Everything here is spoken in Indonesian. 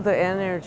yang paling menarik